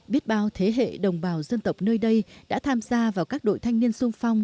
biết bao thế hệ đồng bào dân tộc nơi đây đã tham gia vào các đội thanh niên sung phong